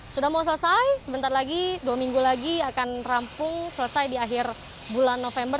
sudah mau selesai sebentar lagi dua minggu lagi akan rampung selesai di akhir bulan november